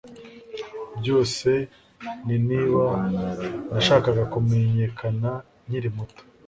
Byose ni niba nashakaga kumenyekana nkiri muto